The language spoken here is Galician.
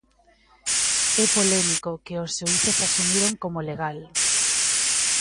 E polémico, que os xuíces asumiron como legal.